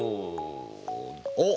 おっ！